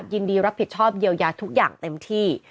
ยินดีรับผิดชอบเยียวยาทุกอย่างเต็มที่